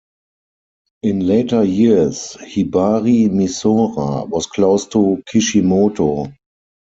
In later years Hibari Misora was close to Kishimoto.